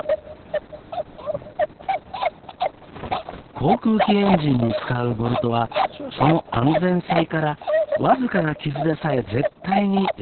航空機エンジンに使うボルトはその安全性から僅かな傷でさえ絶対に許されません。